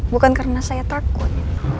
bukan karena saya takut